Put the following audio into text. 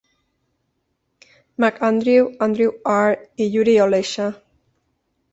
MacAndrew, Andrew R. i Yuri Olesha.